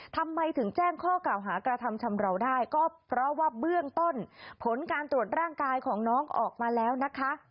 ทำไมถึงแจ้งข้อกล่าวหากระทำชำราวได้ก็เพราะว่าเบื้องต้นผลการตรวจร่างกายของน้องออกมาแล้วนะคะ